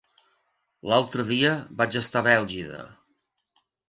L'altre dia vaig estar a Bèlgida.